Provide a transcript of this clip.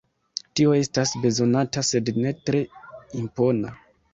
Tio estas bezonata, sed ne tre impona.